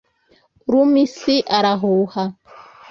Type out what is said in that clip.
Uruma Isi arahuha.